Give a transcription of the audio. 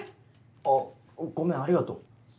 あっごめんありがとう。